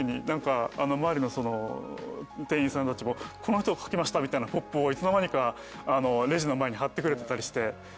何か周りの店員さんたちも「この人が書きました」みたいなＰＯＰをいつの間にかレジの前に張ってくれてたりして。